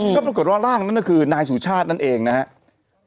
ก็ปรากฏว่าร่างนั้นก็คือนายสุชาตินั่นเองนะครับ